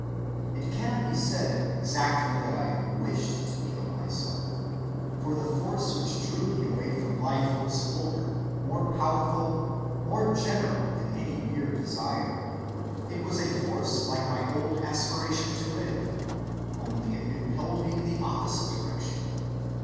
It cannot be said exactly that I wished to kill myself, for the force which drew me away from life was fuller, more powerful, more general than any mere desire. It was a force like my old aspiration to live, only it impelled me in the opposite direction.